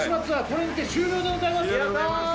これにて終了でございます